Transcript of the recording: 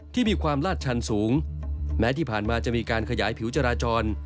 ที่มีความลาดชันสูงแม้ที่ผ่านมาจะมีการขยายผิวจราจร